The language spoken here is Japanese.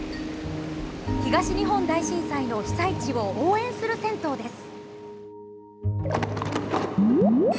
東日本大震災の被災地を応援する銭湯です。